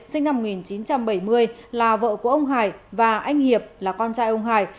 sinh năm một nghìn chín trăm bảy mươi là vợ của ông hải và anh hiệp là con trai ông hải